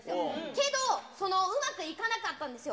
けど、そのうまくいかなかったんですよ。